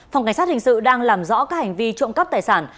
phòng cảnh sát hình sự đang làm rõ các hành vi trộm cắp tài sản